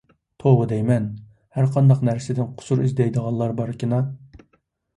توۋا دەيمەن، ھەر قانداق نەرسىدىن قۇسۇر ئىزدەيدىغانلار باركىنا.